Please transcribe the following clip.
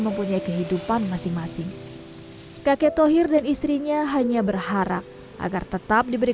mempunyai kehidupan masing masing kakek tohir dan istrinya hanya berharap agar tetap diberi